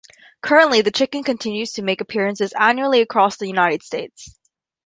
Currently, the Chicken continues to make appearances annually across the United States.